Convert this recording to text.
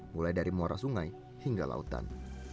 mulai dari muara sungai hingga lautan